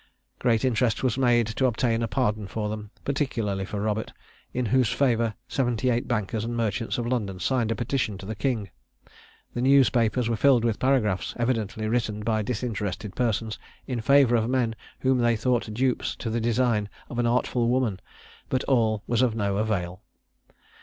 Great interest was made to obtain a pardon for them, particularly for Robert, in whose favour seventy eight bankers and merchants of London signed a petition to the king: the news papers were filled with paragraphs, evidently written by disinterested persons, in favour of men whom they thought dupes to the designs of an artful woman: but all was of no avail.